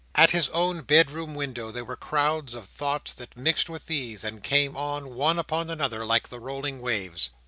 At his own bedroom window, there were crowds of thoughts that mixed with these, and came on, one upon another, like the rolling waves.